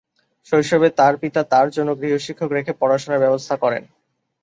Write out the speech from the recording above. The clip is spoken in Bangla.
শৈশবে তার পিতা তার জন্য গৃহশিক্ষক রেখে পড়াশুনার ব্যবস্থা করেন।